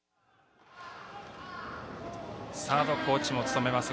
サードコーチも務めます